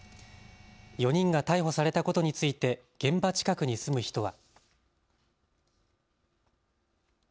４人が逮捕されたことについて現場近くに住む人は。